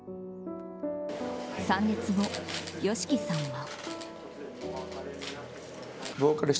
参列後ＹＯＳＨＩＫＩさんは。